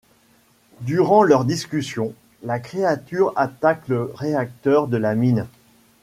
Durant leur discussion, la créature attaque le réacteur de la mine.